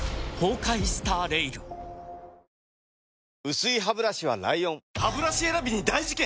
薄いハブラシは ＬＩＯＮハブラシ選びに大事件！